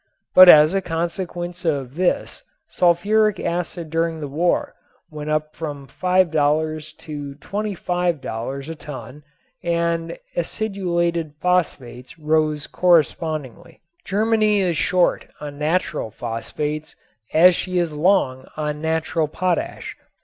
But as a consequence of this sulfuric acid during the war went up from $5 to $25 a ton and acidulated phosphates rose correspondingly. Germany is short on natural phosphates as she is long on natural potash.